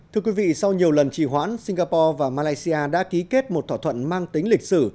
thưa quý vị sau nhiều lần trì hoãn singapore và malaysia đã ký kết một thỏa thuận mang tính lịch sử